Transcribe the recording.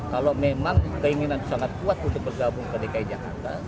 kalau memang keinginan sangat kuat untuk bergabung ke dki jakarta